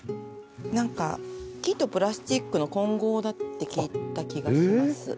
なんか木とプラスチックの混合だって聞いた気がします。